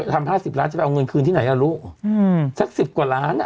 ทำห้าสิบล้านจะไปเอาเงินคืนที่ไหนอะรู้อืมสักสิบกว่าล้านอ่ะ